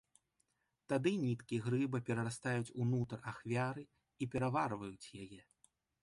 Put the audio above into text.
Тады ніткі грыба прарастаюць ўнутр ахвяры і пераварваюць яе.